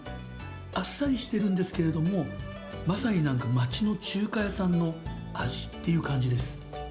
あっさりしてるんですけれども、まさになんか、町の中華屋さんの味っていう感じです。